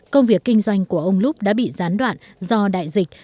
công việc kinh doanh của ông lug đã bị gián đoạn do đại dịch